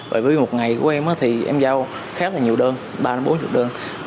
bởi vì một ngày của em thì em giao khá là nhiều đơn ba bốn mươi đơn